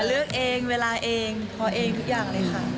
เลือกเองเวลาเองขอเองทุกอย่างเลยค่ะ